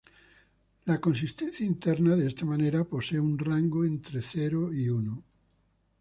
La consistencia interna, de esta manera, posee un rango entre cero y uno.